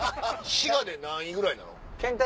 滋賀で何位ぐらいなの？